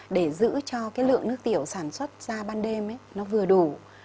để giữ cho cái lượng nước tiểu sản xuất ra ban đêm nó vừa đủ